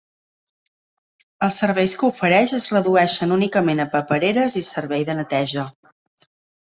Els serveis que ofereix es redueixen únicament a papereres i servei de neteja.